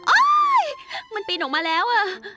อ้าวมันปีนออกมาแล้ว